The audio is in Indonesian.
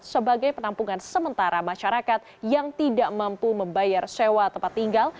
sebagai penampungan sementara masyarakat yang tidak mampu membayar sewa tempat tinggal